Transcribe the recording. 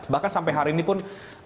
bahkan sampai hari ini pun